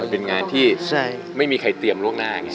เป็นงานที่ไม่มีใครเตรียมล่วงหน้าไง